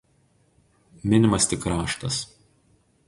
Minimas tik kraštas.